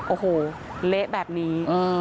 โอ้โหเละแบบนี้